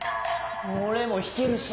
俺も弾けるし！